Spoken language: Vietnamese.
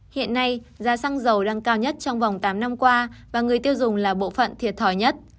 hiện nay giá xăng dầu đang cao nhất trong vòng tám năm qua và người tiêu dùng là bộ phận thiệt thòi nhất